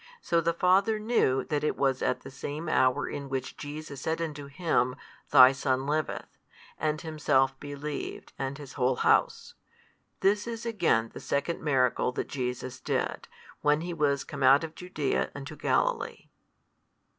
So the father knew that it was at the same hour in the which Jesus said unto him, Thy son liveth: and himself believed and his whole house. This is again the second miracle that Jesus did, when He was come out of Judaea into Galilee.